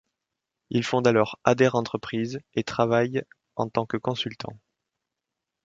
Il fonde alors Adair Enterprises et travaille en tant que consultant.